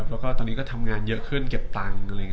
แล้วก็ตอนนี้ก็ทำงานเยอะขึ้นเก็บตังค์